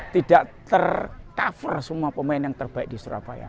tidak tercover semua pemain yang terbaik di surabaya